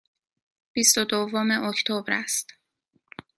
بیست و دوم اکتبر است.